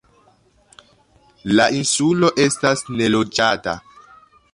La insulo estas neloĝata.